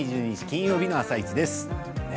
金曜日の「あさイチ」です。